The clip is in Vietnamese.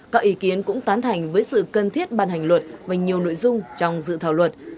các ý kiến cũng tán thành với sự cần thiết ban hành luật và nhiều nội dung trong dự thảo luật